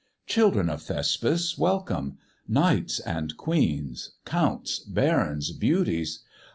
Children of Thespes, welcome; knights and queens! Counts! barons! beauties!